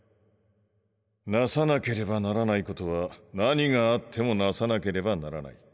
なさなければならないことは何があってもなさなければならない。